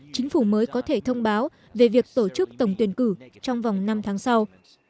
chính phủ mới có thể thông báo về việc tổ chức tổng tuyển cử trong vòng năm tháng sau